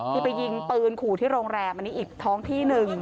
คือไปยิงปืนขู่ที่โรงแรมอันนี้อีกท้องที่หนึ่ง